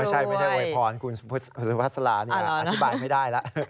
ไม่ใช่ไวพรคุณสวัสดีศาลนี่อธิบายไม่ได้แล้ว